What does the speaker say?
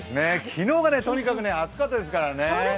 昨日がとにかく暑かったですからね。